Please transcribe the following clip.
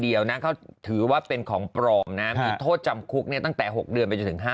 เดี๋ยวเอาของจริงมาดูเลย